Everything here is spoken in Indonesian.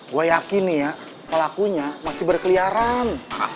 gue yakin nih ya pelakunya masih berkeliaran